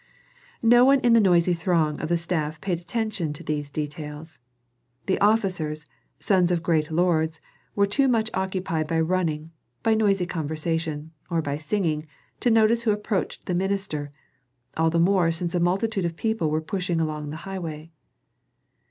No one in the noisy throng of the staff paid attention to these details. The officers, sons of great lords, were too much occupied by running, by noisy conversation, or by singing, to notice who approached the minister; all the more since a multitude of people were pushing along the highway.